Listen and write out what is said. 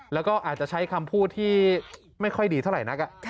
แล้วก็อาจจะใช้คำพูดที่ไม่ค่อยดีเท่าไหร่นัก